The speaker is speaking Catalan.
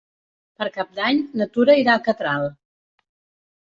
Per Cap d'Any na Tura irà a Catral.